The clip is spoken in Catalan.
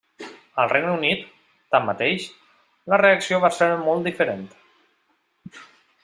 Al Regne Unit, tanmateix, la reacció va ser molt diferent.